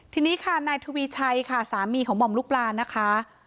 ทีนี้ค่ะนายทวีชัยค่ะสามีของหม่อมลูกปลานะคะ